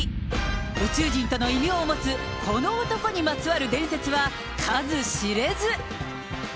宇宙人との異名を持つ、この男にまつわる伝説は数知れず。